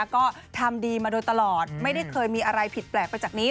ก็ทำดีมาโดยตลอดไม่ได้เคยมีอะไรผิดแปลกไปจากนี้